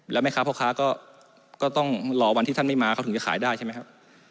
แล้วแม่ค้าพ่อค้าก็ต้องรอวันที่ท่านไม่มาเขาถึงจะขายได้ใช่ไหมครับ